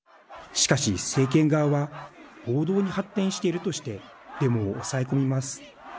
しかし政権側は暴動に発展しているとしてデモを抑え込みます。